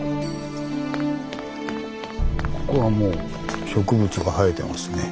ここはもう植物が生えてますね。